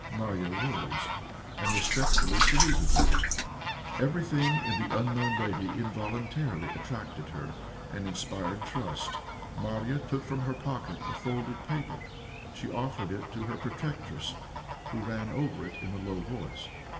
Marya rose, and respectfully saluted her. Everything in the unknown lady involuntarily attracted her, and inspired trust. Marya took from her pocket a folded paper; she offered it to her protectress, who ran over it in a low voice.